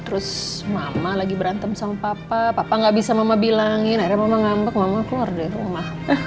terus mama lagi berantem sama papa gak bisa mama bilangin akhirnya mama ngambek mama keluar dari rumah